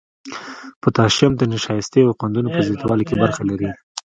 پوتاشیم د نشایستې او قندونو په زیاتوالي کې برخه لري.